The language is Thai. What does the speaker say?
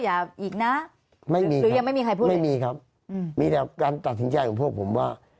อีกนะไม่มีหรือยังไม่มีใครพูดไม่มีครับอืมมีแต่การตัดสินใจของพวกผมว่า